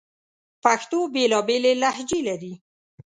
پښتو بیلابیلي لهجې لري